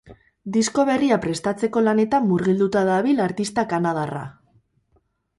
Disko berria prestatzeko lanetan murgilduta dabil artista kanadarra.